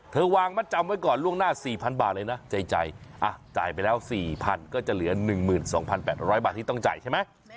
วางมัดจำไว้ก่อนล่วงหน้า๔๐๐บาทเลยนะใจจ่ายไปแล้ว๔๐๐๐ก็จะเหลือ๑๒๘๐๐บาทที่ต้องจ่ายใช่ไหม